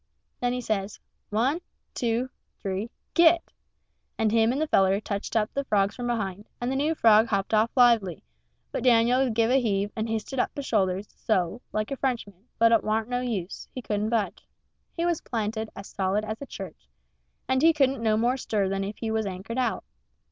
Then he says, "One two three git!" and him and the feller touched up the frogs from behind, and the new frog hopped off lively, but Dan'l give a heave, and hysted up his shoulders so like a Frenchman, but it warn't no use he couldn't budge; he was planted as solid as a church, and he couldn't no more stir than if he was anchored out.